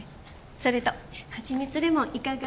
それとはちみつレモンいかが？